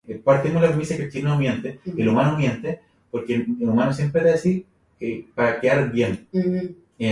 This name change marked an important epistemological shift in the work of the Centre.